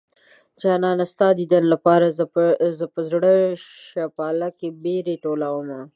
جانانه ستا ديدن لپاره زه په زړه شپاله کې بېرې ټولومه